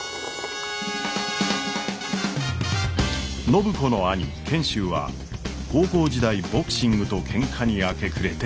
暢子の兄賢秀は高校時代ボクシングとケンカに明け暮れて中退。